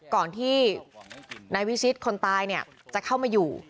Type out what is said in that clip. ก่อนที่นายวิชิตคนตายจะเข้ามาอยู่